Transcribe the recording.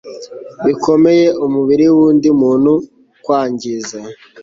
bikomeye umubiri w undi muntu kwangiza